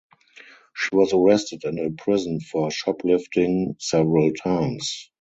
She was arrested and imprisoned for shoplifting several times.